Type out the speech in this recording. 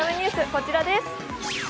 こちらです。